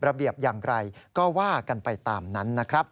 ระเบียบอย่างไรก็ว่ากันไปตามนั้นนะครับ